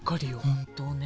本当ね。